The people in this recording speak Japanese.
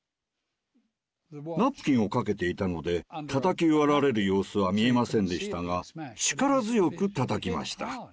ナプキンをかけていたので叩き割られる様子は見えませんでしたが力強く叩きました。